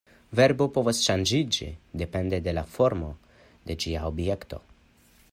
Verbo povas ŝanĝiĝi depende de la formo de ĝia objekto.